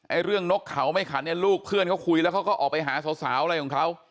เรื่องนกเขาไม่ขันเนี่ยลูกเพื่อนเขาคุยแล้วเขาก็ออกไปหาสาวอะไรของเขา